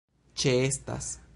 ĉeestas